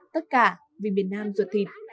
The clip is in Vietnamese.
tất cả vì miền nam ruột thịt